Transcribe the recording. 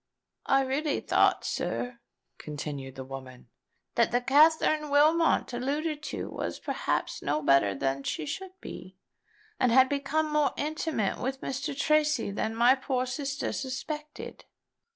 "I really thought, sir," continued the woman, "that the Katherine Wilmot alluded to was perhaps no better than she should be, and had become more intimate with Mr. Tracy than my poor sister suspected.